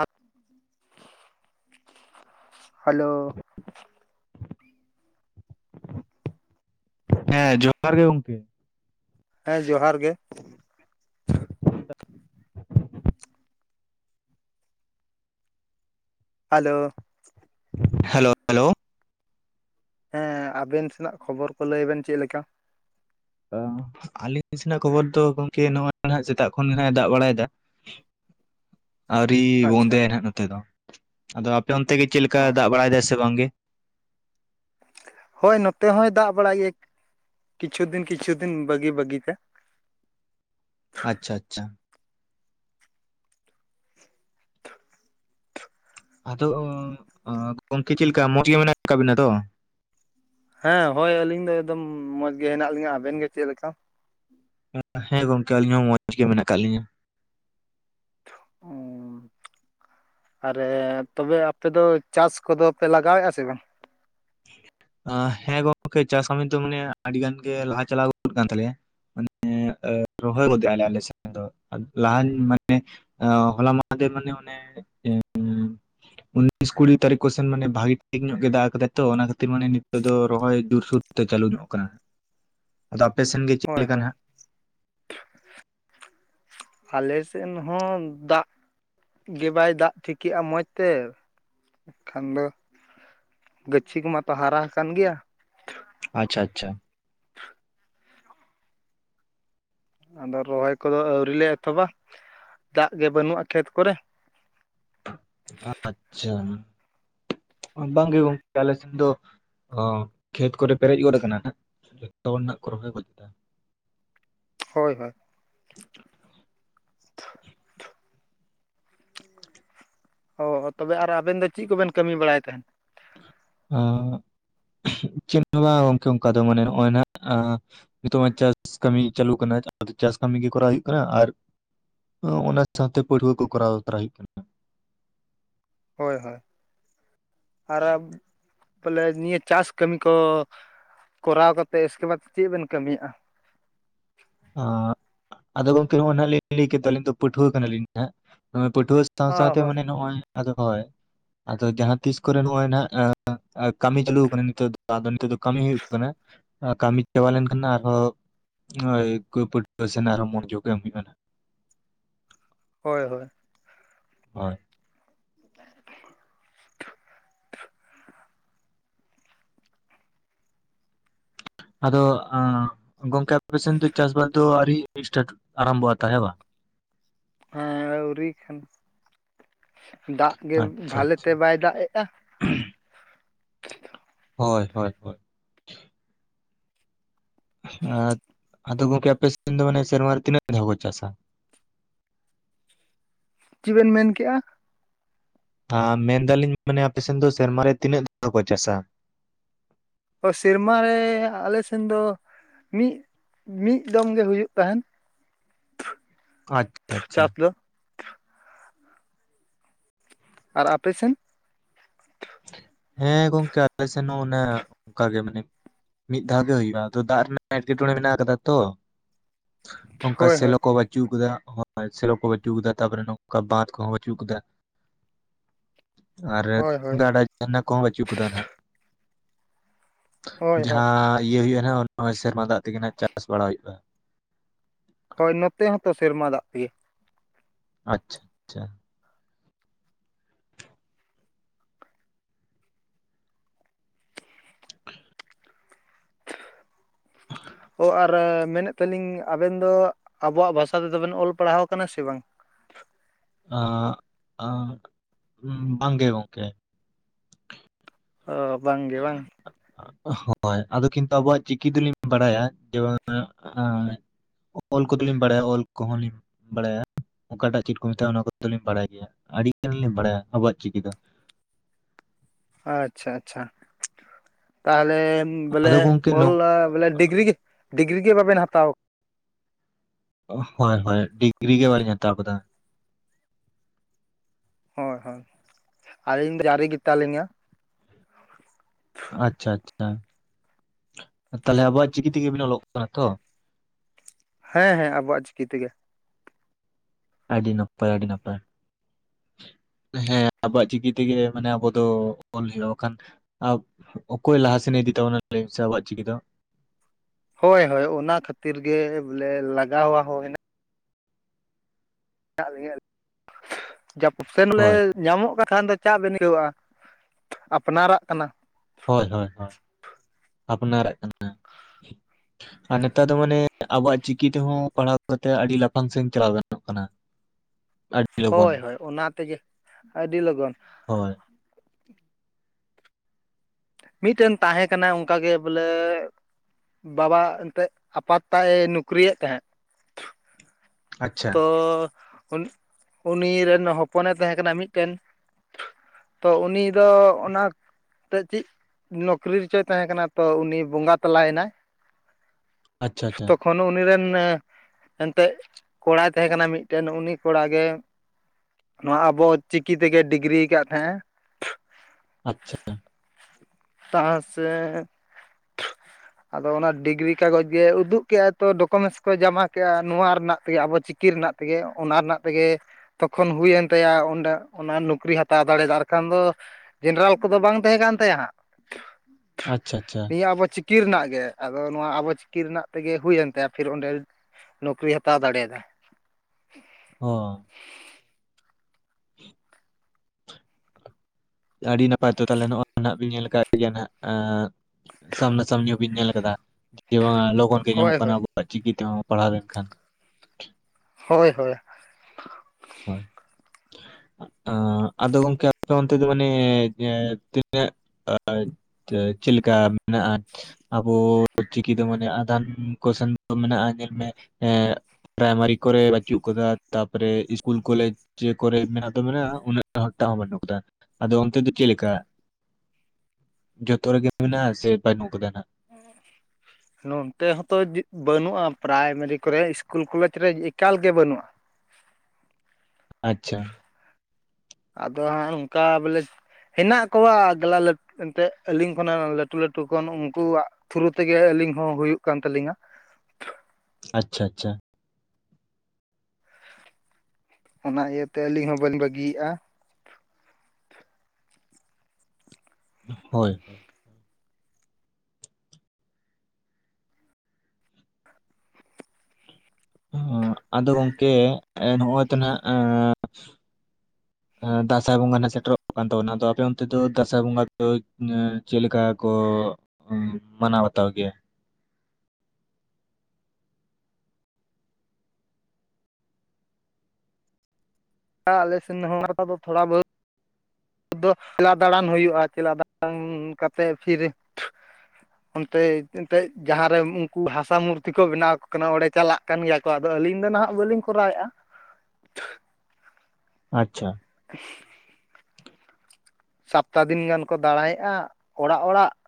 ᱟᱫ ᱦᱟᱞᱳ, ᱦᱮᱸ ᱡᱚᱦᱟᱨ ᱜᱮ ᱜᱚᱝᱠᱮ, ᱦᱮᱸ ᱡᱚᱦᱟᱨ ᱜᱮ᱾ ᱦᱟᱞᱳ, ᱦᱟᱞᱳ ᱦᱟᱞᱳ ᱦᱮᱸ ᱟᱵᱮᱱ ᱥᱮᱱᱟᱜ ᱠᱷᱚᱵᱚᱨ ᱠᱚ ᱞᱟᱹᱭ ᱵᱮᱱ ᱪᱮᱜ ᱞᱮᱠᱟ? ᱟᱹᱞᱤᱧ ᱥᱮᱱᱟᱜ ᱠᱷᱚᱵᱚᱨ ᱫᱚ ᱜᱚᱝᱠᱮ ᱱᱚᱣᱟ ᱱᱟ ᱥᱮᱛᱟᱜ ᱠᱷᱚᱱ ᱜᱮ ᱦᱟᱸᱜ ᱮ ᱫᱟᱜᱽ ᱵᱟᱲᱟᱭ ᱫᱟ᱾ ᱟᱹᱣᱨᱤ ᱟᱪᱪᱷᱟ ᱵᱚᱱᱫᱮᱭᱟᱭ ᱱᱟᱦᱟᱜ ᱱᱚᱛᱮ ᱫᱚ, ᱟᱫᱚ ᱟᱯᱮ ᱚᱱᱛᱮ ᱜᱮ ᱪᱮᱜᱞᱮᱠᱟ ᱚ ᱫᱟᱜᱽ ᱵᱟᱲᱟᱭ ᱫᱟᱭ ᱥᱮ ᱵᱟᱝᱜᱮ? ᱦᱳᱭ ᱱᱚᱛᱮ ᱦᱚᱸᱭ ᱫᱟᱜᱽ ᱵᱟᱲᱟᱭᱮᱜ ᱠᱤᱪᱷᱩ ᱫᱤᱱ ᱠᱤᱪᱷᱩ ᱫᱤᱱ ᱵᱟᱹᱜᱤ ᱵᱟᱹᱜᱤ ᱛᱮ᱾ ᱟᱪᱪᱷᱟ ᱟᱪᱪᱷᱟ, ᱟᱫᱚ ᱩᱸ ᱚᱸ ᱜᱚᱝᱠᱮ ᱪᱮᱫ ᱞᱮᱠᱟ ᱢᱚᱸᱡᱽ ᱜᱮ ᱢᱮᱱᱟᱜ ᱟᱠᱟᱜ ᱵᱤᱱᱟ ᱛᱚ? ᱦᱮᱸ ᱦᱳᱭ ᱟᱹᱞᱤᱧ ᱫᱚ ᱮᱠᱫᱚᱢ ᱢᱚᱸᱡᱽ ᱜᱮ ᱦᱮᱱᱟᱜ ᱞᱤᱧᱟᱹ᱾ᱟᱵᱮᱱ ᱜᱮ ᱪᱮᱜ ᱞᱮᱠᱟ? ᱦᱮᱸ ᱜᱚᱝᱠᱮ ᱟᱹᱞᱤᱧ ᱦᱚᱸ ᱢᱚᱸᱡᱽ ᱜᱮ ᱢᱮᱱᱟᱜ ᱠᱟᱜ ᱞᱤᱧᱟᱹ᱾ ᱟᱨᱮ ᱛᱚᱵᱮ ᱟᱯᱮ ᱫᱚ ᱪᱟᱥ ᱠᱚᱫᱚ ᱯᱮ ᱞᱟᱜᱟᱣᱮᱜᱼᱟ ᱥᱮ ᱵᱟᱝ? ᱟᱸ ᱦᱮᱸ ᱜᱚᱝᱠᱮ ᱪᱟᱥ ᱠᱟᱹᱢᱤ ᱫᱚ ᱢᱟᱱᱮ ᱟᱹᱰᱤ ᱜᱟᱱ ᱜᱮ ᱞᱟᱦᱟ ᱪᱟᱞᱟᱣ ᱠᱟᱱ ᱛᱟᱞᱮᱭᱟ᱾ ᱢᱟᱱᱮ ᱨᱚᱦᱚᱭ ᱜᱚᱫᱮᱟᱞᱮ ᱟᱞᱮ ᱥᱮᱫ ᱫᱚ [inaudible] ᱞᱟᱦᱟᱱ ᱢᱟᱱᱮ ᱟᱸ ᱦᱚᱞᱟ ᱢᱟ‍ᱸᱫᱷᱮᱨ ᱢᱟᱱᱮ ᱚᱱᱮ ᱮᱸᱻ ᱩᱱᱤᱥ ᱠᱩᱲᱤ ᱛᱟᱹᱨᱤᱠᱷ ᱠᱚᱥᱮᱱ ᱢᱟᱱᱮ ᱵᱷᱟᱜᱤ ᱴᱷᱤᱠ ᱧᱚᱜ ᱜᱮ ᱫᱟᱜ ᱠᱟᱫᱟ ᱛᱚ ᱚᱱᱟ ᱠᱷᱟᱹᱛᱤᱨ ᱢᱟᱱᱮ ᱱᱤᱛᱚᱜ ᱫᱚ ᱨᱚᱦᱚᱭ ᱡᱳᱨᱥᱩᱨ ᱛᱮ ᱪᱟᱹᱞᱩ ᱧᱚᱜ ᱠᱟᱱᱟ ᱟᱫᱚ ᱟᱯᱮ ᱥᱮᱱ ᱜᱮ ᱪᱮᱫ ᱦᱳᱭ ᱞᱮᱠᱟ ᱦᱳᱭ ᱦᱟᱸᱜ? ᱟᱞᱮᱥᱮᱱ ᱦᱚᱸ ᱫᱟᱜ ᱜᱮ ᱵᱟᱭ ᱫᱟᱜ ᱴᱷᱤᱠᱮᱜᱼᱟ ᱢᱚᱡᱽ ᱛᱮ, ᱮᱠᱷᱟᱱ ᱫᱚ ᱜᱟᱹᱪᱷᱤ ᱠᱚ ᱢᱟᱛᱚ ᱦᱟᱨᱟ ᱟᱠᱟᱱ ᱜᱮᱭᱟ᱾ ᱟᱪᱪᱷᱟ ᱟᱪᱪᱷᱟ᱾ ᱟᱫᱚ ᱨᱚᱦᱚᱭ ᱠᱚᱫᱚ ᱟᱹᱣᱨᱤ ᱞᱮ ᱮᱛᱦᱚᱵᱟ ᱫᱟᱜ ᱜᱮ ᱵᱟᱹᱱᱩᱜᱼᱟ ᱠᱷᱮᱛ ᱠᱚᱨᱮ᱾ ᱟᱪᱪᱷᱟ᱾ ᱵᱟᱝᱜᱮ ᱜᱚᱝᱠᱮ ᱟᱞᱮ ᱥᱮᱱ ᱫᱚ ᱠᱷᱮᱛ ᱠᱚᱨᱮ ᱯᱮᱨᱮᱡ ᱜᱚᱫ ᱠᱟᱱᱟ ᱦᱟᱸᱜ ᱾ ᱡᱚᱛᱚ ᱦᱚᱲ ᱱᱟᱜ ᱠᱚ ᱨᱚᱦᱚᱭ ᱜᱚᱫ ᱫᱟ, ᱦᱳᱭ ᱦᱳᱭ᱾ ᱚ ᱛᱚᱵᱮ ᱟᱨ ᱟᱵᱮᱱ ᱫᱚ ᱪᱮᱫ ᱠᱚᱵᱮᱱ ᱠᱟᱹᱢᱤ ᱵᱟᱲᱟᱭ ᱛᱟᱦᱮᱱ? ᱪᱮᱫ ᱦᱚᱸ ᱵᱟᱝ ᱜᱚᱝᱠᱮ ᱚᱱᱠᱟ ᱫᱚ ᱢᱟᱱᱮ ᱱᱚᱜ-ᱚᱭ ᱱᱟᱦᱟᱸᱜ ᱱᱤᱛᱚᱜ ᱢᱟ ᱪᱟᱥ ᱠᱟᱹᱢᱤ ᱪᱟᱹᱞᱩ ᱠᱟᱱᱟ ᱟᱫᱚ ᱪᱟᱥ ᱠᱟᱹᱢᱤ ᱜᱮ ᱠᱚᱨᱟᱣ ᱦᱩᱭᱩᱜ ᱠᱟᱱᱟ, ᱟᱨ ᱚᱱᱟ ᱥᱟᱶᱛᱮ ᱯᱟᱹᱴᱷᱩᱣᱟᱹ ᱠᱚ ᱠᱚᱨᱟᱣ ᱛᱟᱨᱟᱭ ᱦᱩᱭᱩᱜ ᱠᱟᱱᱟ᱾ ᱦᱳᱭ ᱦᱳᱭ ᱟᱨ ᱵᱚᱞᱮ ᱱᱤᱭᱟᱹ ᱪᱟᱥ ᱠᱟᱹᱢᱤ ᱠᱚ ᱠᱚᱨᱟᱣ ᱠᱟᱛᱮᱫ ᱤᱥᱠᱮ ᱵᱟᱫᱽ ᱪᱮᱫ ᱵᱮᱱ ᱠᱟᱹᱢᱤᱭᱮᱫ-ᱟ? ᱟᱫᱚ ᱜᱚᱝᱠᱮ ᱱᱚᱜ-ᱚᱭ ᱞᱤᱧ ᱞᱟᱹᱭ ᱠᱮᱫ ᱟᱹᱞᱤᱧ ᱫᱚ ᱯᱟᱹᱴᱷᱣᱟᱹ ᱠᱟᱱᱟᱞᱤᱧ ᱦᱟᱸᱜ ᱯᱟᱹᱴᱷᱣᱟᱹ ᱥᱟᱶ ᱚ ᱥᱟᱶᱛᱮ ᱦᱳᱭ ᱢᱟᱱᱮ ᱱᱚᱜ-ᱚᱭ ᱟᱫᱚ ᱦᱚᱭ ᱟᱫᱚ ᱡᱟᱦᱟᱸ ᱛᱤᱥ ᱠᱚᱨᱮ ᱱᱚᱜ-ᱚᱭ ᱱᱟᱱᱟᱜ ᱠᱟᱹᱢᱤ ᱪᱟᱹᱞᱩ ᱠᱟᱱᱟ ᱱᱤᱛᱚᱜ ᱫᱚ ᱱᱤᱛᱚᱜ ᱫᱚ ᱠᱟᱹᱢᱤ ᱦᱩᱭᱩᱜ ᱠᱟᱱᱟ᱾ ᱟᱨ ᱠᱟᱹᱢᱤ ᱪᱟᱵᱟ ᱞᱮᱱᱠᱷᱟᱱ ᱟᱨᱦᱚᱸ ᱯᱟᱹᱴᱷᱩᱣᱟᱹ ᱥᱮᱱ ᱟᱨᱦᱚᱸ ᱢᱚᱱᱡᱳᱜ ᱮᱢ ᱦᱩᱭᱩᱜ ᱱᱟᱜ᱾ ᱦᱳᱭ ᱦᱳᱭ᱾ ᱦᱳᱭ᱾ ᱟᱫᱚ ᱮᱸ ᱜᱚᱝᱠᱮ ᱟᱯᱮᱥᱮᱱ ᱫᱚ ᱪᱟᱥᱵᱟᱥ ᱫᱚ ᱟᱹᱣᱨᱤ ᱥᱮᱴᱟᱴ ᱟᱨᱟᱢᱵᱷᱚᱜ-ᱟ ᱛᱚ ᱦᱮ ᱵᱟᱝ? ᱦᱮᱸ ᱟᱹᱣᱨᱤ ᱠᱷᱟᱱ ᱫᱟᱜ ᱜᱮ ᱵᱟᱝ ᱟᱪᱪᱷᱟ ᱵᱷᱟᱞᱮ ᱛᱮ ᱵᱟᱭ ᱫᱟᱜᱮ-ᱟ᱾ ᱦᱳᱭ ᱦᱳᱭ ᱦᱳᱭ᱾ ᱟᱸ ᱟᱫᱚ ᱜᱚᱝᱠᱮ ᱟᱯᱮ ᱥᱮᱱ ᱫᱚ ᱢᱟᱱᱮ ᱥᱮᱨᱢᱟ ᱨᱮ ᱛᱤᱱᱟᱹᱜ ᱫᱷᱟᱣ ᱠᱚ ᱪᱟᱥᱟ? ᱪᱮᱜ ᱵᱮᱱ ᱢᱮᱱ ᱠᱮᱫ-ᱟ? [inaudible] ᱢᱮᱱᱫᱟᱞᱤᱧ ᱢᱟᱱᱮ ᱟᱯᱮᱥᱮᱱ ᱫᱚ ᱥᱮᱨᱢᱟᱨᱮ ᱛᱤᱱᱟᱹᱜ ᱫᱷᱟᱣ ᱠᱚ ᱪᱟᱥᱟ? ᱚ ᱥᱮᱨᱢᱟ ᱨᱮ ᱟᱞᱮ ᱥᱮᱱ ᱫᱚ ᱢᱤ ᱢᱤᱫ ᱫᱚᱢ ᱜᱮ ᱦᱩᱭᱩᱜ ᱛᱟᱦᱮᱱ, ᱟᱪᱪᱷᱟ ᱟᱪᱪᱷᱟ᱾ ᱪᱟᱥ ᱫᱚ ᱟᱨ ᱟᱯᱮ ᱥᱮᱱ? ᱦᱮᱸ ᱜᱚᱝᱠᱮ ᱟᱞᱮ ᱥᱮᱱ ᱦᱚᱸ ᱚᱱᱮ ᱚᱱᱠᱟ ᱜᱮ ᱢᱟᱱᱮ ᱢᱤᱫ ᱫᱷᱟᱣ ᱜᱮ ᱦᱩᱭᱩᱜ-ᱟ ᱟᱫᱚ ᱫᱟᱜ ᱨᱮᱱᱟᱜ ᱮᱴᱠᱮᱴᱚᱬᱮ ᱢᱮᱱᱟᱜ ᱠᱟᱫᱟ ᱛᱚ᱾ ᱚᱱᱠᱟ ᱦᱳᱭ ᱦᱳᱭ ᱥᱮᱞᱚ ᱠᱚ ᱵᱟᱹᱪᱩᱜ ᱠᱟᱫᱟ᱾ ᱥᱮᱞᱳ ᱠᱚ ᱯᱟᱪᱩ ᱠᱟᱫᱟ ᱛᱟᱯᱚᱨᱮ ᱱᱚᱝᱠᱟ ᱵᱟᱸᱫ ᱠᱚᱦᱚᱸ ᱯᱟᱪᱩ ᱠᱟᱫᱟ, ᱦᱳᱭ [inaudible] ᱦᱳᱭ [inaudible] ᱠᱚᱦᱚᱸ ᱵᱟᱹᱪᱩᱜ ᱠᱟᱫᱟ ᱱᱟᱱᱟᱜ ᱦᱳᱭ ᱦᱳᱭ ᱡᱟᱦᱟᱸ ᱤᱭᱟᱹ ᱦᱩᱭᱩᱜ-ᱟ ᱱᱟᱟᱜ ᱥᱮᱨᱢᱟ ᱫᱟᱜ ᱛᱮᱜᱮ ᱱᱟᱱᱟᱜ ᱪᱟᱥ ᱵᱟᱲᱟ ᱦᱩᱭᱩᱜ-ᱟ᱾ ᱦᱚᱭ ᱱᱚᱛᱮ ᱦᱚᱸᱛᱚ ᱥᱮᱨᱢᱟ ᱫᱟᱜ ᱛᱮᱜᱮ, ᱟᱪᱪᱷᱟ - ᱟᱪᱪᱷᱟ ᱚ ᱟᱨ ᱢᱮᱱᱮᱫ ᱛᱟᱹᱞᱤᱧ ᱟᱵᱮᱱ ᱫᱚ ᱟᱵᱚᱣᱟᱜ ᱵᱷᱟᱥᱟ ᱛᱮᱫᱚ ᱵᱮᱱ ᱚᱞ ᱯᱟᱲᱦᱟᱣ ᱟᱠᱟᱱᱟ ᱥᱮ ᱵᱟᱝ? [unintelligible] ᱵᱟᱝᱜᱮ ᱜᱚᱝᱠᱮ, ᱚ ᱵᱟᱝᱜᱮ ᱵᱟᱝ, ᱦᱚᱭ ᱟᱫᱚ ᱠᱤᱱᱛᱩ ᱟᱵᱚᱣᱟᱜ ᱪᱤᱠᱤ ᱫᱚᱞᱤᱧ ᱵᱟᱲᱟᱭᱟ ᱡᱮ [inaudible] ᱚᱞ ᱠᱚ ᱫᱚ ᱞᱤᱧ ᱵᱟᱲᱟᱭᱟ ᱚᱞ ᱠᱚᱦᱚᱸ ᱞᱤᱧ ᱵᱟᱲᱟᱭᱟ ᱚᱠᱟᱴᱟᱜ ᱪᱮᱫ ᱠᱚ ᱢᱮᱛᱟᱜ-ᱟ ᱚᱱᱟ ᱠᱚ ᱫᱚ ᱞᱤᱧ ᱵᱟᱲᱟᱭ ᱜᱮᱭᱟ, ᱟᱹᱰᱤ ᱜᱟᱱ ᱞᱤᱧ ᱵᱟᱲᱟᱭᱟ ᱟᱵᱚᱣᱟᱜ ᱪᱤᱠᱤ ᱫᱚ᱾ ᱟᱪᱪᱷᱟ ᱟᱪᱪᱷᱟ, ᱛᱟᱦᱞᱮ ᱵᱚᱞᱮ ᱟᱫᱚ ᱜᱚᱝᱠᱮ ᱚᱞ ᱵᱚᱞᱮ ᱰᱤᱜᱽᱨᱤ ᱜᱮ ᱰᱤᱜᱽᱨᱤ ᱜᱮ ᱵᱟᱵᱮᱱ ᱦᱟᱛᱟᱣ ᱦᱚᱭ ᱦᱚᱭ, ᱰᱤᱜᱽᱨᱤ ᱜᱮ ᱵᱟᱞᱤᱧ ᱦᱟᱛᱟᱣ ᱠᱟᱫᱟ᱾ ᱦᱚᱭ ᱦᱚᱭ, ᱟᱹᱞᱤᱧ ᱡᱟᱨᱤ ᱜᱮᱛᱟᱞᱤᱧᱟᱹ᱾ ᱟᱪᱪᱷᱟ ᱟᱪᱪᱷᱟ, ᱟᱨ ᱛᱟᱦᱞᱮ ᱟᱵᱚᱣᱟᱜ ᱪᱤᱠᱤ ᱛᱮᱜᱮᱵᱤᱱ ᱚᱞᱚᱜ ᱠᱟᱱᱟ ᱛᱚ? ᱦᱮᱸ ᱦᱮᱸ ᱟᱵᱚᱣᱟᱜ ᱪᱤᱠᱤ ᱛᱮᱜᱮ᱾ ᱟᱹᱰᱤ ᱱᱟᱯᱟᱭ, ᱟᱹᱰᱤ ᱱᱟᱯᱟᱭ᱾ ᱦᱮᱸ ᱟᱵᱚᱣᱟᱜ ᱪᱤᱠᱤ ᱛᱮᱜᱮ ᱢᱟᱱᱮ ᱟᱵᱚ ᱫᱚ ᱚᱞ ᱦᱮᱣᱟᱣ ᱠᱟᱱ ᱟᱹᱜ, ᱚᱠᱚᱭ ᱞᱟᱦᱟ ᱥᱮᱱᱮ ᱤᱫᱤ ᱛᱟᱵᱚᱱᱟᱭ ᱞᱟᱹᱭ ᱢᱮᱥᱮ ᱟᱵᱣᱟᱜ ᱪᱤᱠᱤ ᱫᱚ? ᱦᱳᱭ ᱦᱳᱭ ᱚᱱᱟ ᱠᱷᱟᱹᱛᱤᱨ ᱜᱮ ᱵᱚᱞᱮ ᱞᱟᱜᱟᱣᱟ ᱦᱚᱸ ᱦᱩᱭᱱᱟ᱾ ᱢᱮᱱᱟᱜ ᱞᱤᱧᱟᱹ, ᱡᱚᱯ ᱩᱯᱮᱱ ᱞᱮ ᱦᱳᱭ ᱧᱟᱢᱚᱜ ᱠᱟᱱ ᱠᱷᱟᱱ ᱫᱚ ᱪᱟᱜ ᱵᱮᱱ ᱟᱹᱭᱠᱟᱹᱣᱟᱜ-ᱟ ᱟᱯᱱᱟᱨᱟᱜ ᱠᱟᱱᱟ᱾ ᱦᱚᱭ ᱦᱚᱭ ᱦᱚᱭ, ᱟᱯᱱᱟᱨᱟᱜ ᱠᱟᱱᱟ᱾ [inaudible] ᱟᱨ ᱱᱮᱛᱟᱨ ᱫᱚ ᱢᱟᱱᱮ ᱟᱵᱚᱣᱟᱜ ᱪᱤᱠᱤ ᱛᱮᱦᱚᱸ ᱯᱟᱲᱦᱟᱣ ᱠᱟᱛᱮᱫ ᱟᱹᱰᱤ ᱞᱟᱯᱷᱟᱝ ᱥᱮᱫ ᱪᱟᱞᱟᱣ ᱜᱟᱱᱚᱜ ᱠᱟᱱᱟ᱾ ᱟᱹᱰᱤ ᱞᱚᱜᱚᱱ ᱦᱳᱭ ᱦᱳᱭ, ᱚᱱᱟ ᱛᱮᱜᱮ ᱟᱹᱰᱤ ᱞᱚᱜᱚᱱ᱾ ᱦᱚᱭ᱾ ᱢᱤᱫᱴᱮᱱ ᱛᱟᱦᱮᱸ ᱠᱟᱱᱟ ᱚᱝᱠᱟᱜ ᱜᱮ ᱵᱚᱞᱮ ᱵᱟᱵᱟ ᱮᱱᱛᱮᱜ ᱟᱯᱟᱛ ᱛᱟᱭ ᱱᱩᱠᱨᱤᱭᱮᱫ ᱛᱟᱦᱮᱸᱫ᱾ ᱟᱪᱪᱷᱟ ᱟᱫᱚ ᱩᱱ, ᱩᱱᱤ ᱨᱮᱱ ᱦᱚᱯᱚᱱᱮ ᱛᱟᱦᱮᱸ ᱠᱟᱱᱟ ᱢᱤᱫᱴᱮᱱ᱾ ᱛᱚ ᱩᱱᱤ ᱫᱚ ᱚᱱᱟ ᱮᱱᱛᱮᱫ ᱪᱮᱫ ᱱᱩᱠᱨᱤ ᱨᱮᱪᱚᱭ ᱛᱟᱦᱮᱸ ᱠᱟᱱᱟ ᱛᱚ ᱩᱱᱤ ᱵᱚᱸᱜᱟ ᱛᱟᱞᱟᱭᱮᱱᱟᱭ᱾ ᱟᱪᱪᱷᱟ- ᱟᱪᱪᱷᱟ᱾ ᱮᱠᱷᱚᱱ ᱫᱚ ᱩᱱᱤ ᱨᱮᱱ ᱮᱱᱛᱮᱜ ᱠᱚᱲᱟᱭ ᱛᱟᱦᱮᱸ ᱠᱟᱱᱟ ᱢᱤᱫᱴᱮᱜ ᱩᱱᱤ ᱠᱚᱲ ᱜᱮ ᱱᱚᱣᱟ ᱟᱵᱚ ᱪᱤᱠᱤ ᱛᱮᱜᱮ ᱰᱤᱜᱽᱨᱤᱭ ᱟᱠᱟᱜ ᱛᱟᱦᱮᱸᱜ-ᱮ᱾ ᱟᱪᱪᱷᱟ᱾ ᱛᱟᱥ ᱮᱸᱻ ᱟᱫᱚ ᱚᱱᱟ ᱰᱤᱜᱽᱨᱤ ᱠᱟᱜᱚᱡᱽ ᱜᱮ ᱩᱫᱩᱜ ᱠᱮᱜ-ᱟᱭ ᱛᱚ ᱰᱚᱠᱢᱮᱱᱥ ᱠᱚ ᱡᱚᱢᱟ ᱠᱮᱜ-ᱟ ᱱᱚᱣᱟ ᱨᱮᱱᱟᱜ᱾ ᱛᱮᱜᱮ ᱟᱵᱚ ᱪᱤᱠᱤ ᱨᱮᱱᱟᱜ ᱛᱮᱜᱮ, ᱚᱱᱟ ᱨᱮᱱᱟᱜ ᱛᱮᱜᱮ ᱛᱚᱠᱷᱚᱱ ᱦᱩᱭᱮᱱ ᱛᱟᱭᱟ ᱚᱸᱰᱮ ᱚᱱᱟ ᱱᱚᱠᱨᱤ ᱦᱟᱛᱟᱣ ᱫᱟᱲᱮᱭᱟᱫᱟ, ᱟᱨ ᱠᱷᱟᱱ ᱫᱚ ᱡᱮᱱᱟᱨᱮᱞ ᱠᱚᱫᱚ ᱵᱟᱝ ᱛᱟᱦᱮᱸ ᱠᱟᱱ ᱛᱟᱭᱟ ᱦᱟᱸᱜ, ᱟᱪᱪᱷᱟ ᱟᱪᱪᱷᱟ, ᱱᱤᱭᱟᱹ ᱟᱵᱚ ᱪᱤᱠ ᱪᱤᱠᱤ ᱨᱮᱱᱟᱜ ᱜᱮ, ᱟᱫᱚ ᱱᱚᱣᱟ ᱟᱵᱚ ᱪᱤᱠᱤ ᱨᱮᱱᱟᱜ ᱛᱮᱜᱮ ᱦᱩᱭᱮᱱ ᱛᱟᱭᱟ ᱯᱷᱤᱨ ᱚᱸᱰᱮ ᱱᱚᱠᱨᱤ ᱦᱟ ᱦᱟᱛᱟᱣ ᱫᱟᱲᱮᱭᱟᱫᱟᱭ᱾ ᱦᱚᱸ᱾ ᱟᱹᱰᱤ ᱱᱟᱯᱟᱭ ᱛᱚ ᱛᱟᱞᱦᱮ ᱱᱚᱜ-ᱚ ᱱᱟᱜ ᱵᱤᱱ ᱧᱮᱞ ᱠᱟᱜ ᱜᱮᱭᱟ ᱱᱟᱦᱱᱟᱜ, ᱟᱸᱻ ᱥᱟᱢᱱᱟ ᱥᱟᱢᱱᱤ ᱦᱚᱸᱵᱤᱱ ᱧᱮᱞ ᱟᱠᱟᱫᱟ ᱡᱮ ᱵᱟᱝ ᱞᱚᱜᱚᱱ ᱜᱮ ᱦᱳᱭ ᱧᱟᱢᱚᱜ ᱠᱟᱱᱟ ᱦᱳᱭ ᱟᱵᱚᱣᱟᱜ ᱪᱤᱠᱤ ᱛᱮᱵᱚᱱ ᱯᱟᱲᱦᱟᱣ ᱞᱮᱱᱠᱷᱟᱱ᱾ ᱦᱳᱭ ᱦᱳᱭ᱾ [inaudible] ᱟᱸᱜ, ᱟᱫᱚ ᱜᱚᱝᱠᱮ ᱟᱯᱮ ᱚᱱᱛᱮ ᱫᱚ ᱢᱟᱱᱮ ᱛᱤᱱᱟᱹᱜ ᱴᱟᱡ ᱛᱮ ᱪᱮᱫᱞᱮᱠᱟ ᱢᱮᱱᱟᱜ-ᱟᱱ? ᱟᱵᱚ ᱪᱤᱠᱤ ᱫᱚ ᱢᱟᱱᱮ ᱟᱫᱷᱟᱱ ᱠᱚ ᱥᱮᱱ ᱫᱚ ᱢᱮᱱᱟᱜ-ᱟ ᱧᱮᱞ ᱢᱮ ᱮᱸᱜ ᱯᱨᱟᱭᱢᱟᱨᱤ ᱠᱚᱨᱮ ᱵᱟᱪᱩᱜ ᱟᱠᱟᱫᱟ, ᱛᱟᱯᱚᱨᱮ ᱤᱥ ᱠᱩᱞ ᱠᱚᱞᱮᱡᱽ ᱡᱮ ᱠᱚᱨᱮ ᱢᱮᱱᱟᱜ ᱫᱚ ᱢᱮᱱᱟᱜ-ᱟ ᱩᱱᱟᱹᱜ ᱴᱟᱜ ᱮᱠᱴᱟ ᱦᱚᱸ ᱵᱟᱹᱱᱩᱜ ᱟᱠᱟᱫᱟ ᱾ ᱟᱫᱚ ᱚᱱᱛᱮ ᱫᱚ ᱪᱮᱫ ᱞᱮᱠᱟ? [inaudible] ᱡᱚᱛᱚ ᱨᱮᱜᱮ ᱢᱮᱱᱟᱜ-ᱟ ᱥᱮ ᱵᱟᱹᱱᱩᱜ ᱟᱠᱟᱫᱟ ᱱᱟᱜ? [inaudible] ᱱᱚᱱᱛᱮ ᱦᱚᱸᱛᱚ ᱵᱟᱹᱱᱩᱜ-ᱟ ᱯᱨᱟᱭᱢᱟᱨᱤ ᱠᱚᱨᱮ ᱤᱥᱠᱩᱞ ᱠᱚᱞᱮᱡᱽ ᱨᱮ ᱮᱠᱟᱞ ᱜᱮ ᱵᱟᱹᱱᱩᱜ-ᱟ ᱾ ᱟᱪᱪᱷᱟ ᱾ ᱟᱫᱚ ᱦᱟᱸᱜ ᱱᱚᱝᱠᱟ ᱵᱚᱞᱮ ᱦᱮᱱᱟᱜ ᱠᱚᱣᱟ [inaudible] ᱮᱱᱛᱮᱫ, ᱟᱹᱞᱤᱧ ᱠᱷᱚᱱᱟᱜ ᱞᱟᱹᱴᱩ ᱞᱟᱹᱴᱩ ᱠᱷᱚᱱ ᱩᱱᱠᱩᱣᱟᱜ ᱛᱷᱨᱩ ᱛᱮᱜᱮ ᱟᱹᱞᱤᱧ ᱦᱚᱸ ᱦᱩᱭᱩᱜ ᱠᱟᱱ ᱛᱟᱹᱞᱤᱧᱟ ᱾ ᱟᱪᱪᱷᱟ ᱟᱪᱪᱷᱟ ᱾ ᱚᱱᱟ ᱤᱭᱟᱹᱛᱮ ᱟᱹᱞᱤᱧ ᱦᱚᱸ ᱵᱟᱹᱞᱤᱧ ᱵᱟᱹᱜᱤᱭᱮᱫ-ᱟ ᱾ ᱦᱳᱭ ᱾ ᱚ, ᱟᱫᱚ ᱜᱚᱝᱠᱮ ᱱᱚᱜ-ᱚᱭ ᱛᱚ ᱱᱟᱜ ᱟᱜ [inaudible] ᱦᱮᱸ ᱫᱟᱸᱥᱟᱭ ᱵᱚᱸᱜᱟ ᱦᱟᱜ ᱥᱮᱴᱮᱨᱚᱜ ᱠᱟᱱ ᱛᱟᱵᱚᱱᱟ ᱾ ᱟᱫᱚ ᱟᱯᱮ ᱚᱱᱛᱮ ᱫᱚ ᱫᱟᱸᱥᱟᱭ ᱵᱚᱸᱜᱟ ᱫᱚ ᱪᱮᱫ ᱞᱮᱠᱟ ᱠᱚ ᱢᱟᱱᱟ ᱵᱟᱛᱟᱣ ᱜᱮᱭᱟ? ᱟᱞᱮ ᱥᱮᱱ ᱦᱚᱸ [unintelligible] ᱫᱚ ᱛᱷᱚᱲᱟ ᱵᱩ ᱫᱚ ᱪᱮᱞᱟ ᱫᱟᱬᱟᱱ ᱦᱩᱭᱩᱜ-ᱟ, ᱪᱮᱞᱟ ᱫᱟᱬᱟᱱ ᱠᱟᱛᱮᱫ ᱯᱷᱤᱨᱮ ᱚᱱᱛᱮ ᱮᱱᱛᱮᱫ ᱡᱟᱦᱟᱸ ᱨᱮ ᱩᱱᱠᱩ ᱦᱟᱥᱟ ᱢᱩᱨᱛᱤ ᱠᱚ ᱵᱮᱱᱟᱣ ᱟᱠᱚ ᱠᱟᱱᱟ ᱚᱸᱰᱮ ᱪᱟᱞᱟᱜ ᱠᱟᱱ ᱜᱮᱭᱟ ᱠᱚ ᱟᱫᱚ ᱟᱹᱞᱤᱧ ᱫᱚ ᱱᱟᱦᱟᱜ ᱵᱟᱹᱞᱤᱧ ᱠᱚᱨᱟᱣᱮᱫ-ᱟ ᱾ ᱟᱪᱪᱷᱟ ᱾ [inaudible] ᱥᱚᱯᱛᱟ ᱫᱤᱱ ᱜᱟᱱ ᱠᱚ ᱫᱟᱬᱟᱭᱮᱫ-ᱟ ᱚᱲᱟᱜ ᱚᱲᱟᱜ ᱾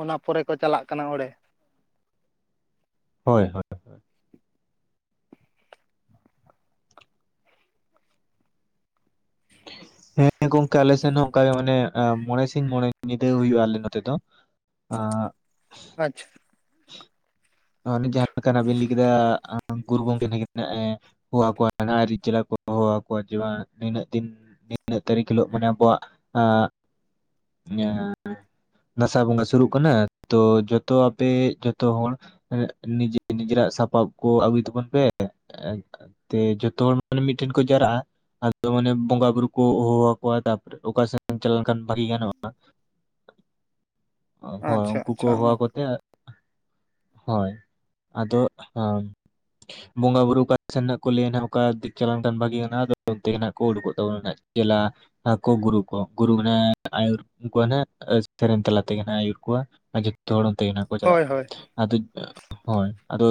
ᱚᱱᱟ ᱯᱚᱨᱮ ᱠᱚ ᱪᱟᱞᱟᱜ ᱠᱟᱱᱟ ᱚᱸᱰᱮ ᱾ ᱦᱳᱭ ᱦᱳᱭ ᱾ ᱚᱱᱠᱟ ᱟᱞᱮ ᱥᱮᱱ ᱦᱚᱸ ᱚᱱᱠᱟ ᱜᱮ ᱢᱟᱱᱮ ᱢᱚᱬᱮ ᱥᱤᱧ ᱢᱚᱬᱮ ᱧᱤᱫᱟᱹ ᱦᱩᱭᱩᱜ-ᱟ ᱟᱞᱮ ᱱᱚᱛᱮ ᱫᱚ ᱾ [inaudible] ᱟᱸᱜ ᱟᱪᱪᱷᱟ ᱾ ᱚᱱᱮ ᱡᱟᱦᱟᱸ ᱞᱮᱠᱟᱱᱟᱜ ᱵᱤᱱ ᱞᱟᱹᱭ ᱠᱮᱫᱟ ᱜᱩᱨᱩ ᱜᱚᱢᱠᱮ ᱛᱟᱠᱤᱱ ᱦᱟᱜ-ᱮ ᱦᱚᱦᱚᱣᱟ ᱠᱚᱣᱟ ᱟᱡ ᱨᱤᱱ ᱪᱮᱞᱟ ᱠᱚ ᱦᱚᱦᱚ ᱟᱠᱚᱣᱟ ᱡᱮ ᱵᱟᱝ ᱱᱤᱱᱟᱹᱜ ᱫᱤᱱ ᱱᱤᱱᱟᱹᱜ ᱛᱟᱹᱨᱤᱠᱷ ᱦᱤᱞᱳᱜ ᱢᱟᱱᱮ ᱟᱵᱚᱣᱟᱜ ᱟᱜ [inaudible] ᱫᱟᱥᱟᱭ ᱵᱚᱸᱜᱟ ᱥᱩᱨᱩᱜ ᱠᱟᱱᱟ, ᱛᱚ ᱡᱚᱛᱚ ᱟᱯᱮ ᱡᱚᱛᱚ ᱦᱚᱲ ᱱᱤᱡᱮ ᱱᱤᱡᱮᱨᱟᱜ ᱥᱟᱯᱟᱵ ᱠᱚ ᱟᱹᱜᱩᱭ ᱛᱟᱵᱚᱱ ᱯᱮ ᱾ ᱛᱮ ᱡᱚᱛᱚ ᱦᱚᱲ ᱢᱟᱱᱮ ᱢᱤᱫᱴᱷᱮᱱ ᱠᱚ ᱡᱟᱣᱨᱟᱜ-ᱟ ᱾ ᱟᱫᱚ ᱢᱟᱱᱮ ᱵᱚᱸᱜᱟ ᱵᱩᱨᱩ ᱠᱚ ᱦᱚᱦᱚ ᱟᱠᱚᱣᱟ, ᱛᱟᱨᱯᱚᱨᱮ ᱚᱠᱟ ᱥᱮᱫ ᱪᱟᱞᱟᱣ ᱞᱮᱱᱠᱷᱟᱱ ᱵᱷᱟᱜᱤ ᱜᱟᱱᱚᱜ-ᱟ ᱾ [inaudible] [inaudible] ᱦᱚᱭ ᱟᱪᱪᱷᱟ ᱩᱱᱠᱩ ᱠᱚ ᱟᱪᱪᱷᱟ ᱦᱚᱦᱚᱣᱟ ᱠᱚᱛᱮ ᱦᱳᱭ [inaudible] ᱟᱫᱚ ᱦᱚᱸ ᱵᱚᱸᱜᱟ ᱵᱩᱨᱩ ᱚᱠᱟ ᱥᱮᱱ ᱦᱟᱜ ᱠᱚ ᱞᱟᱹᱭ-ᱟ ᱱᱟᱦᱟᱜ ᱚᱠᱟ ᱫᱤᱠ ᱪᱟᱞᱟᱣ ᱞᱮᱱᱠᱷᱟᱱ ᱵᱷᱟᱜᱮᱜ ᱟᱱᱟ ᱟᱫᱚ ᱚᱱᱛᱮ ᱜᱮ ᱱᱟᱜ ᱠᱚ ᱩᱰᱩᱠᱚᱜ ᱛᱟᱵᱚᱱᱟ ᱾ ᱪᱮᱞᱟ ᱟᱠᱚ ᱜᱩᱨᱩ ᱠᱚ ᱜᱩᱨᱩ ᱢᱮᱱᱟᱭᱟ ᱟᱭᱩᱨ ᱠᱚᱣᱟ ᱱᱟᱦᱟᱜ, ᱥᱮᱨᱮᱧ ᱛᱟᱞᱟ ᱛᱮᱜᱮ ᱱᱟᱦᱟᱜ ᱟᱹᱭᱩᱨ ᱠᱚᱣᱟ ᱾ ᱟᱨ ᱡᱚᱛᱚ ᱦᱚᱲ ᱚᱱᱛᱮ ᱜᱮ ᱱᱟᱦᱟᱜ ᱠᱚ ᱪᱟᱞᱟᱜ-ᱟ ᱦᱳᱭ ᱦᱳᱭ ᱾ ᱟᱫᱚ ᱦᱳᱭ, ᱟᱫᱚ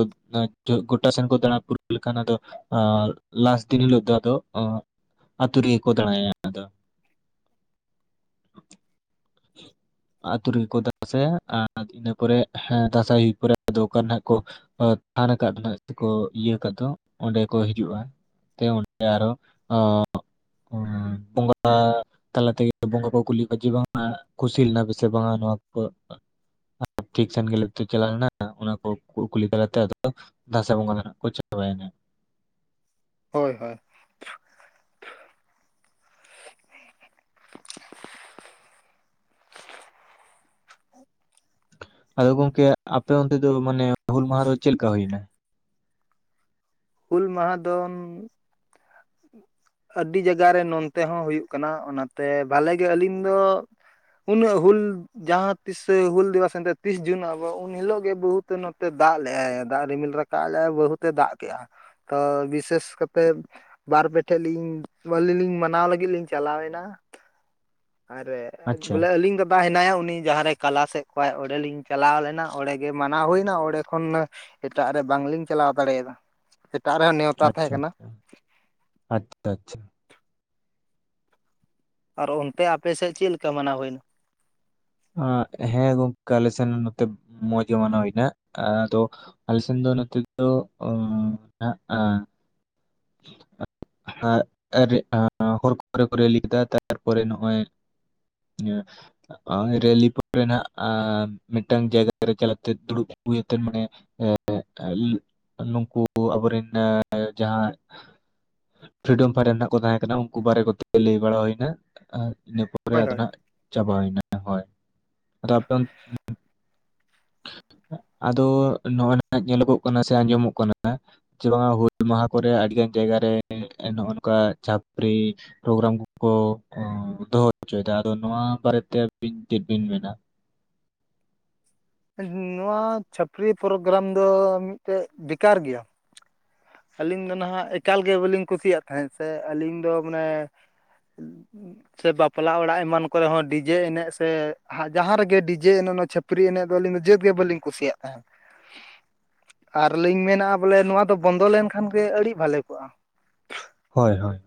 ᱜᱚᱴᱟ ᱥᱮᱱ ᱠᱚ ᱫᱟᱬᱟ ᱯᱩᱨᱟᱹᱣ ᱞᱮᱠᱷᱟᱱ ᱟᱫᱚ ᱟ ᱞᱟᱥ ᱫᱤᱱ ᱦᱤᱞᱳᱜ ᱫᱚ ᱟᱫᱚ ᱚᱸ ᱟᱛᱳ ᱨᱮᱜᱮ ᱠᱚ ᱫᱟᱬᱟᱭᱟ ᱟᱫᱚ ᱾ [inaudible] ᱟᱛᱳ ᱨᱮᱜᱮ ᱠᱚ ᱫᱟᱸᱥᱟᱭᱟ ᱟᱨ ᱤᱱᱟᱹ ᱯᱚᱨᱮ ᱦᱮᱸ ᱫᱟᱸᱥᱟᱭ ᱦᱩᱭ ᱯᱚᱨᱮ ᱟᱫᱚ ᱚᱠᱟᱨᱮ ᱱᱟᱜ ᱠᱚ ᱛᱷᱟᱱ ᱠᱟᱫ ᱫᱚᱠᱚ ᱤᱭᱟᱹ ᱠᱟᱫ ᱫᱚ ᱚᱸᱰᱮ ᱠᱚ ᱦᱤᱡᱩᱼᱟ ᱛᱮ ᱚᱱᱛᱮ ᱟᱨ-ᱚ ᱵᱚᱸᱜᱟ ᱛᱟᱞᱟ ᱛᱮᱜᱮ ᱵᱚᱸᱜᱟ ᱠᱚ ᱠᱩᱞᱤ ᱠᱚᱪᱮ ᱵᱟᱝ ᱠᱩᱥᱤ ᱞᱮᱱᱟ ᱯᱮ ᱥᱮ ᱵᱟᱝᱟᱱᱚᱣᱟ ᱠᱚ ᱴᱷᱤᱠ ᱥᱮᱱ ᱜᱮ ᱪᱟᱞᱟᱣ ᱞᱮᱱᱟ ᱚᱱᱟ ᱠᱚ ᱠᱩᱠᱩᱞᱤ ᱛᱟᱞᱟᱛᱮ ᱟᱫᱚ ᱫᱟᱸᱥᱟᱭ ᱵᱚᱸᱜᱟ ᱠᱚ ᱪᱟᱵᱟᱭᱱᱟ᱾ ᱦᱳᱭ ᱦᱳᱭ ᱟᱫᱚ ᱜᱚᱝᱠᱮ ᱟᱯᱮ ᱚᱱᱛᱮ ᱫᱚ ᱢᱟᱱᱮ ᱦᱩᱞ ᱢᱟᱦᱟ ᱫᱚ ᱪᱮᱫᱞᱮᱠᱟ ᱦᱳᱭᱱᱟ? ᱦᱩᱞ ᱢᱟᱦᱟ ᱫᱚ ᱟᱹᱰᱤ ᱡᱟᱭᱜᱜᱟᱨᱮᱱ ᱱᱚᱱᱛᱮ ᱦᱚᱸ ᱦᱩᱭᱩᱜ ᱠᱟᱱᱟ ᱚᱱᱟᱛᱮ ᱵᱷᱟᱞᱮ ᱜᱮ ᱟᱹᱞᱤᱧ ᱫᱚ ᱩᱱᱟᱹᱜ ᱦᱩᱞ ᱡᱟᱦᱟᱸ ᱛᱤᱥᱟ ᱦᱩᱞ ᱫᱤᱵᱚᱥ ᱮᱱᱛᱮ ᱛᱤᱥ ᱡᱩᱱ ᱟᱵᱚ ᱩᱱ ᱦᱤᱞᱳᱜ ᱜᱮ ᱵᱟᱹᱦᱩᱛᱮ ᱱᱚᱛᱮ ᱫᱟᱜ ᱞᱮᱟᱭ ᱫᱟᱜ ᱨᱤᱢᱤᱞ ᱨᱟᱠᱟᱵ ᱟᱞᱮ ᱵᱟᱹᱦᱩᱛᱮ ᱫᱟᱜ ᱠᱮᱜᱼᱟ ᱛᱚ ᱵᱤᱥᱮᱥ ᱠᱟᱛᱮᱫ ᱵᱟᱨ ᱯᱮ ᱴᱷᱮᱡ ᱞᱤᱧ ᱟᱹᱞᱤ ᱞᱤᱧ ᱢᱟᱱᱟᱣ ᱞᱟᱹᱜᱤᱫ ᱞᱤᱧ ᱪᱟᱞᱟᱣᱮᱱᱟ᱾ ᱟᱨᱮ ᱟᱪᱪᱷᱟ ᱵᱚᱞᱮ ᱟᱹᱞᱤᱧ ᱫᱚ [unintelligible] ᱪ ᱦᱮᱱᱟᱭᱟ ᱩᱱᱤ ᱡᱟᱦᱟᱸᱨᱮ ᱠᱟᱞᱟᱥᱮ ᱠᱚᱣᱟᱭ ᱚᱸᱰᱮᱞᱤᱧ ᱪᱟᱞᱟᱣ ᱞᱮᱱᱟ ᱚᱸᱰᱮᱜ ᱜᱮ ᱢᱟᱱᱟᱣ ᱦᱩᱭᱱᱟ ᱚᱸᱰᱮ ᱠᱷᱚᱱ ᱮᱴᱟᱜ ᱨᱮ ᱵᱟᱝᱞᱤᱧ ᱪᱟᱞᱟᱣ ᱫᱟᱲᱮᱭᱟᱫᱟ ᱮᱴᱟᱜ ᱨᱮᱦᱚᱸ ᱱᱮᱣᱛᱟ ᱛᱟᱦᱮᱸ ᱟᱪᱪᱷᱟ ᱠᱟᱱᱟ᱾ ᱟᱪᱪᱷᱟ ᱟᱪᱪᱷᱟ ᱟᱪᱪᱷᱟ ᱟᱨ ᱚᱱᱛᱮ ᱟᱯᱮᱥᱮᱫ ᱪᱮᱫ ᱞᱮᱠᱟ ᱢᱟᱱᱟᱣ ᱦᱳᱭᱱᱟ? ᱚ ᱦᱮᱸ ᱜᱚᱝᱠᱮ ᱟᱞᱮ ᱥᱮᱱ ᱱᱚᱛᱮ ᱢᱚᱸᱡᱽ ᱜᱮ ᱢᱟᱱᱟᱣ ᱦᱳᱭᱱᱟ ᱦᱮᱸ ᱟᱫᱚ ᱟᱞᱮᱥᱮ ᱫᱚ ᱱᱚᱛᱮ ᱫᱚ ᱱᱟᱜᱼᱟ ᱟᱨ-ᱟ ᱦᱚᱨ ᱠᱚᱨᱮ ᱠᱚ ᱴᱨᱮ ᱞᱤᱠᱮᱫᱟ ᱛᱟᱨᱯᱚᱨᱮ ᱱᱚᱜᱼᱚᱭ ᱱᱤᱭᱟᱹ ᱨᱮᱞᱤ ᱯᱚᱨᱮ ᱱᱟᱜ-ᱟ ᱢᱤᱫᱴᱟᱝ ᱡᱟᱭᱜᱟ ᱨᱮ ᱪᱟᱞᱟᱠᱟᱛᱮ ᱫᱩᱲᱩᱵ ᱦᱩᱭᱩ ᱠᱟᱛᱮᱮ ᱢᱟᱱᱮ ᱮ ᱱᱩᱝᱠᱩ ᱟᱵᱚᱨᱮᱱ ᱡᱟᱦᱟᱸᱭ ᱯᱷᱤᱨᱤᱰᱚᱢ ᱯᱷᱟᱭᱴᱟᱨ ᱱᱟᱦᱟ ᱠᱚ ᱛᱟᱦᱮᱸᱠᱟᱱᱟ ᱩᱱᱠᱩ ᱵᱟᱨᱮ ᱠᱚᱛᱮ ᱞᱟᱹᱭ ᱵᱟᱲᱟ ᱦᱩᱭᱱᱟ ᱤᱱᱟᱹᱯᱚᱨ ᱛᱚᱨᱮ ᱦᱳᱭ ᱟᱫᱚ ᱦᱳᱭ ᱱᱟᱦᱟᱜ ᱪᱟᱵᱟᱭᱱᱟ ᱦᱳᱭ ᱟᱫᱚ ᱟᱯᱮ ᱚᱱᱛᱮ ᱟᱫᱚ ᱱᱚᱜᱼᱚᱭ ᱱᱟ ᱧᱮᱞᱚᱜᱚᱜ ᱠᱟᱱᱟ ᱥᱮ ᱟᱸᱡᱚᱢᱚᱜ ᱠᱟᱱᱟ ᱪᱮ ᱵᱟᱝ ᱦᱩᱞ ᱢᱟᱦᱟ ᱠᱚᱨᱮ ᱟᱹᱰᱤ ᱜᱟᱱ ᱡᱟᱭᱜᱟᱟᱨ ᱨᱮ ᱱᱚᱜ ᱱᱚᱝᱠᱟ ᱪᱟᱹᱯᱨᱤ ᱯᱨᱳᱜᱨᱟᱢ ᱠᱚ ᱫᱚᱦᱚ ᱦᱚᱪᱚᱭᱫᱟ ᱟᱫᱚ ᱱᱚᱣᱟ ᱵᱟᱨᱮᱛᱮ ᱟᱹᱵᱤᱱ ᱪᱮᱫ ᱵᱤᱱ ᱢᱮᱱᱟ? ᱱᱚᱣᱟ ᱪᱷᱟᱹᱯᱨᱤ ᱯᱨᱳᱜᱨᱟᱢ ᱫᱚ ᱢᱤᱫᱴᱮᱡ ᱵᱮᱠᱟᱨ ᱜᱮᱭᱟ᱾ ᱟᱹᱞᱤᱧ ᱫᱚ ᱱᱟᱦᱟᱜ ᱮᱠᱟᱞ ᱜᱮ ᱵᱟᱹᱞᱤᱧ ᱠᱩᱥᱤᱭᱟᱜ ᱛᱟᱦᱮᱸᱫ ᱥᱮ ᱟᱹᱞᱤᱧ ᱫᱚ ᱢᱟᱱᱮ ᱥᱮ ᱵᱟᱯᱞᱟ ᱚᱲᱟᱜ ᱮᱢᱟᱱ ᱠᱚᱨᱮ ᱦᱚᱸ ᱰᱤᱡᱮ ᱮᱱᱮᱡ ᱥᱮ ᱟᱨ ᱡᱟᱦᱟᱸ ᱨᱮᱜᱮ ᱰᱤᱡᱮ ᱮᱱᱮᱡ ᱱᱚᱣᱟ ᱪᱷᱟᱹᱯᱨᱤ ᱮᱱᱮᱡ ᱫᱚ ᱟᱹᱞᱤᱧ ᱫᱚ ᱡᱟᱹᱛ ᱜᱮ ᱵᱟᱹᱞᱤᱧ ᱠᱩᱥᱤᱭᱟᱜ ᱛᱟᱦᱮᱸᱫ ᱟᱨᱞᱤᱤᱧ ᱢᱮᱱᱟ ᱵᱚᱞᱮ ᱱᱚᱣᱟ ᱫᱚ ᱵᱚᱱᱫᱚ ᱞᱮᱱᱠᱷᱟᱱ ᱜᱮ ᱟᱹᱰᱤ ᱵᱷᱟᱞᱮ ᱠᱚᱜᱼᱟ᱾ ᱦᱳᱭ ᱦᱳᱭ